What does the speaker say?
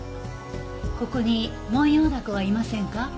ここにモンヨウダコはいませんか？